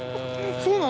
そうなの？